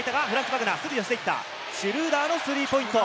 シュルーダーのスリーポイント。